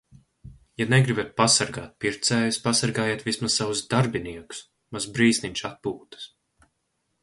Ja negribat pasargāt pircējus, pasargājiet vismaz savus darbiniekus. Mazs brīsniņš atpūtas.